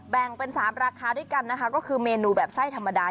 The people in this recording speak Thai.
แบ่งเป็น๓ราคาด้วยกันนะคะก็คือเมนูแบบไส้ธรรมดา